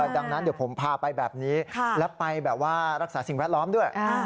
ดังนั้นเดี๋ยวผมพาไปแบบนี้แล้วไปแบบว่ารักษาสิ่งแวดล้อมด้วย